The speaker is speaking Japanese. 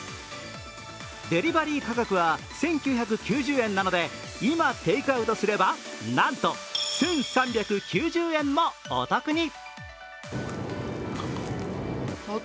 デリバリー価格は１９９０円なので今、テークアウトすれば、なんと１３９０円もお得に。